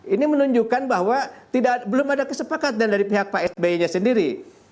ini menunjukkan bahwa belum ada kesepakatan dari pihak pak sby nya sendiri